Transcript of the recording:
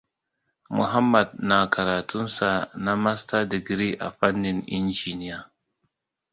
Mahammd na karatun sa na masta digri a fannin injiya.